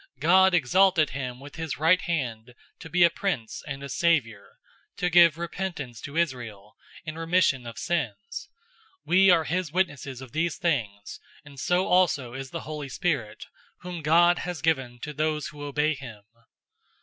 005:031 God exalted him with his right hand to be a Prince and a Savior, to give repentance to Israel, and remission of sins. 005:032 We are His witnesses of these things; and so also is the Holy Spirit, whom God has given to those who obey him."